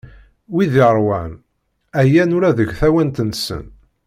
Wid yeṛwan, ɛyan ula deg tawant-nsen.